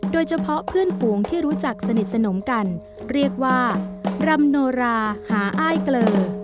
โดยเฉพาะเพื่อนฝูงที่รู้จักสนิทสนมกันเรียกว่ารำโนราหาอ้ายเกลอ